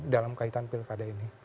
dalam kaitan pilkade ini